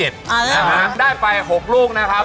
ได้ไป๖ลูกนะครับ